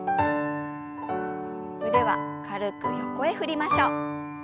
腕は軽く横へ振りましょう。